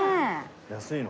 安いの？